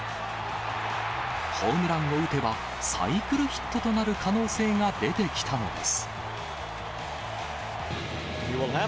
ホームランを打てば、サイクルヒットとなる可能性が出てきたのです。